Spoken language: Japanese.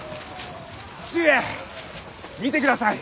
父上見てください。